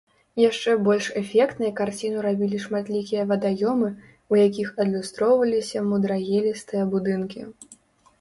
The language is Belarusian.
Яшчэ больш эфектнай карціну рабілі шматлікія вадаёмы, у якіх адлюстроўваліся мудрагелістыя будынкі.